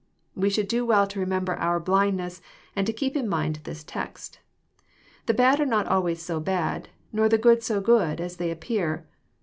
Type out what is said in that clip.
We should do well to remember our blindness, and to keep in mind this text. The bad are not always so bad, nor the good so good as they appear.